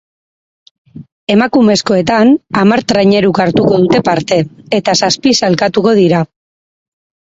Emakumezkoetan hamar traineruk hartuko dute parte eta zazpi sailkatuko dira.